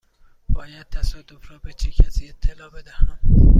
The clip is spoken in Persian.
باید تصادف را به چه کسی اطلاع بدهم؟